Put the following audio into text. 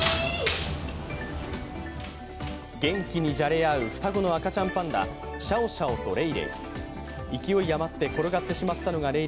元気にじゃれ合う双子の赤ちゃんパンダ、シャオシャオとレイレイ。